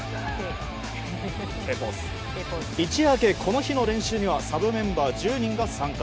一夜明け、この日の練習にはサブメンバー１０人が参加。